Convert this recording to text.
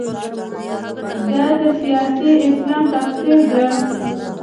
دا د سیاسي اسلام تفسیر ده.